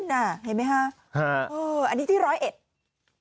เห็นไหมฮะอันนี้ที่ร้อยเอ็ดฮ่าฮ่าฮ่าฮ่าฮ่าฮ่า